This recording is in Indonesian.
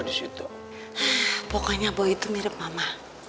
pokoknya bau itu mirip mama